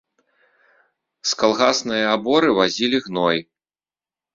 З калгаснае аборы вазілі гной.